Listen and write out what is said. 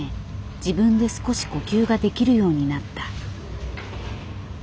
自分で少し呼吸ができるようになった。